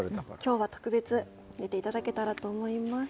今日は特別寝ていただけたらと思います。